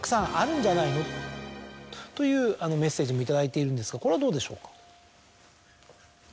というメッセージも頂いているんですがこれはどうでしょうか。